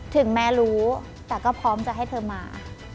ถึงแม้รู้แต่ก็พร้อมจะให้เธอมา